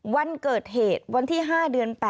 วันเกิดเหตุวันที่๕เดือน๘